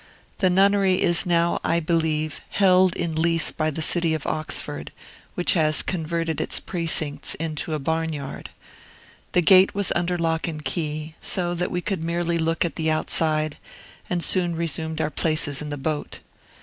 The nunnery is now, I believe, held in lease by the city of Oxford, which has converted its precincts into a barn yard. The gate was under lock and key, so that we could merely look at the outside, and soon resumed our places in the boat.